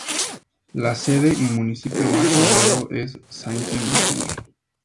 La sede y municipio más poblado es Sainte-Marie.